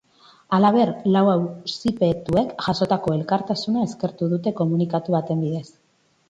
Halaber, lau auzipetuek jasotako elkartasuna eskertu dute komunikatu baten bidez.